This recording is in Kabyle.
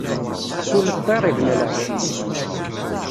Kull ṭṭir ibna lεecc-is.